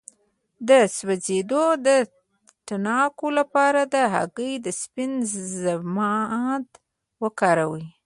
د سوځیدو د تڼاکو لپاره د هګۍ د سپین ضماد وکاروئ